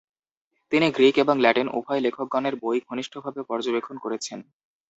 তিনি গ্রীক এবং ল্যাটিন উভয় লেখকগণের বই ঘনিষ্ঠভাবে পর্যবেক্ষণ করেছেন।